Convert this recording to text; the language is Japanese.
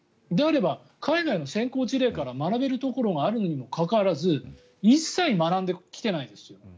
であれば、海外の先行事例から学べるところがあるにもかかわらず一切学んできていないですよ。